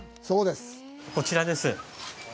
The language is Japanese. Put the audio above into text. こちらです